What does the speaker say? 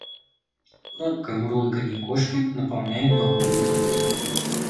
Громкое мурлыканье кошки наполняет дом уютом.